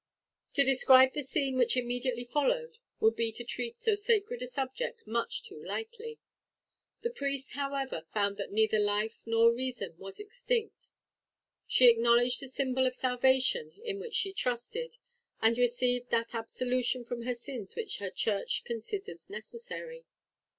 To describe the scene which immediately followed would be to treat so sacred a subject much too lightly. The priest, however, found that neither life nor reason was extinct; she acknowledged the symbol of salvation in which she trusted, and received that absolution from her sins which her church considers necessary.